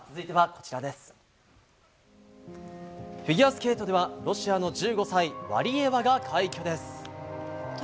フィギュアスケートではロシアの１５歳ワリエワが快挙です。